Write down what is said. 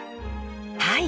はい。